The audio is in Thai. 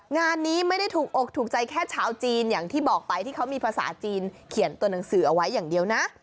งานนี้ไม่ได้ถูกอกถูกใจแค่ชาวจีนอย่างที่บอกไปที่เขามีภาษาจีนเขียนตัวหนังสือเอาไว้อย่างเดียวนะ